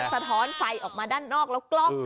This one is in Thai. สะท้อนไฟออกมาด้านนอกแล้วกล้อง